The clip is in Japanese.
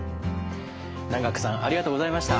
南學さんありがとうございました。